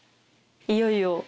いよいよ。